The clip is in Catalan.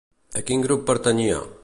A quin grup pertanyia?